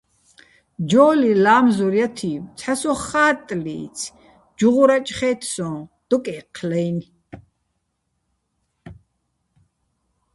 ჯო́ლი ლა́მზურ ჲა თი́ბო̆: ცჰ̦ა სოხ ხა́ტტლი́ცი̆, ჯუღურაჭ ხე́თ სო́ჼ, დოკ ე́ჴჴლაჲნი̆.